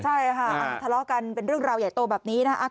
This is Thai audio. ใช่ค่ะทะเลาะกันเป็นเรื่องราวใหญ่โตแบบนี้นะคะ